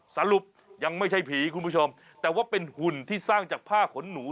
สรุปยังไม่ใช่ผีคุณผู้ชมแต่ว่าเป็นหุ่นที่สร้างจากผ้าขนหนู